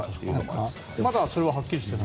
まだそれははっきりしてない？